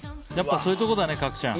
そういうところだね、角ちゃん。